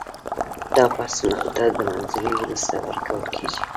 دا پرسونل ته د منظورۍ وروسته ورکول کیږي.